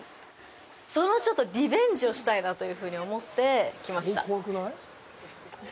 そのリベンジをしたいなというふうに思って来ました。